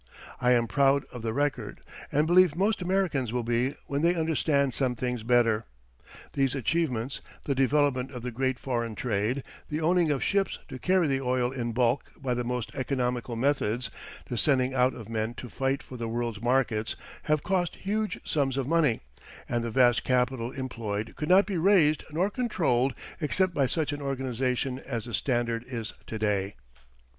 I am proud of the record, and believe most Americans will be when they understand some things better. These achievements, the development of this great foreign trade, the owning of ships to carry the oil in bulk by the most economical methods, the sending out of men to fight for the world's markets, have cost huge sums of money, and the vast capital employed could not be raised nor controlled except by such an organization as the Standard is to day.